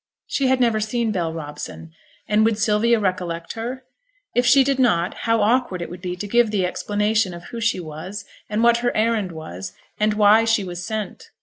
She had never seen Bell Robson, and would Sylvia recollect her? If she did not how awkward it would be to give the explanation of who she was, and what her errand was, and why she was sent.